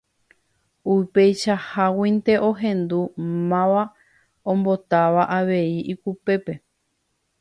Upeichaháguinte ohendu máva ombotáva avei ikupépe.